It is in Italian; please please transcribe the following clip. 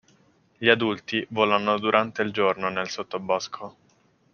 Gli adulti volano durante il giorno nel sottobosco.